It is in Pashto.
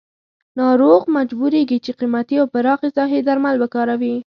ناروغ مجبوریږي چې قیمتي او پراخ ساحې درمل وکاروي.